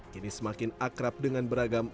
kini semakin akrab dengan beragam